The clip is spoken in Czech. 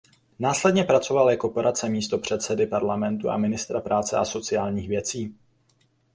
Následně pracoval jako poradce místopředsedy parlamentu a ministra práce a sociálních věcí.